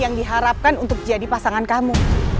yang diharapkan untuk jadi pasangan kamu